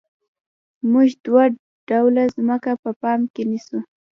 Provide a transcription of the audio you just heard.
موږ دوه ډوله ځمکه په پام کې نیسو